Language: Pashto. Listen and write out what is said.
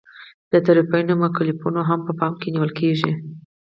د طرفینو مکلفیتونه هم په پام کې نیول کیږي.